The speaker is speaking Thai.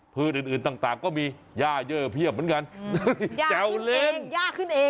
พืชอื่นต่างก็มีย่าเยอะเพียบเหมือนกันย่าขึ้นเอง